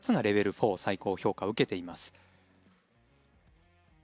４最高評価を受けています。